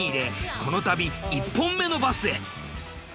この旅１本目のバスへ。